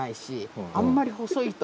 あんまり細いと。